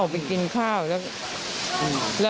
ถ้าเห็นว่าออกไปกินข้าวแล้ว